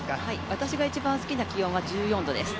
私が一番好きな気温は１４度です。